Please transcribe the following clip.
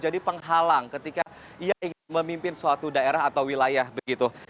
dia ingin memimpin suatu daerah atau wilayah begitu